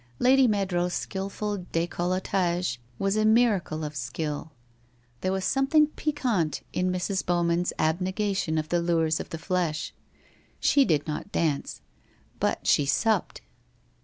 Lady Meadrow's skilful decolletage was a miracle of skill; there was something piquant in Mrs. Bowman's abnegation of the lures of the flesh. She did not dance — but she supped.